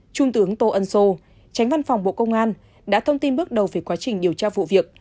trung tướng tô ân sô tránh văn phòng bộ công an đã thông tin bước đầu về quá trình điều tra vụ việc